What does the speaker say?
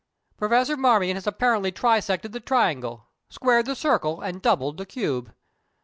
Professor Marmion has apparently trisected the triangle, squared the circle, and doubled the cube.